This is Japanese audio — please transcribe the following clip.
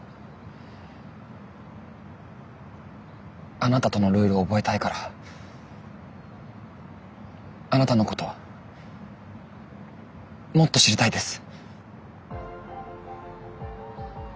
あなたとのルール覚えたいからあなたのこともっと知りたいです。